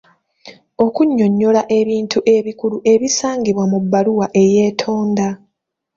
Okuunyonnyola ebintu ebikulu ebisangibwa mu bbaluwa eyeetonda.